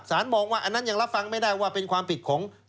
มองว่าอันนั้นยังรับฟังไม่ได้ว่าเป็นความผิดของ